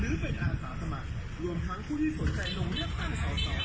หรือเป็นอาสาสมัครรวมทั้งคู่ที่สนใจโดนเรียกตั้งสาวในนามพักก้าวใจ